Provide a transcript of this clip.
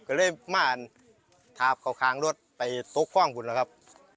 ก็เลยมาถาข้าวคาลมรถไปตุ๊กคล่องขุนหรือครับ